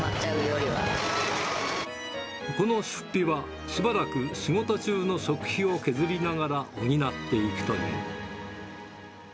この出費は、しばらく仕事中の食費を削りながら補っていくという。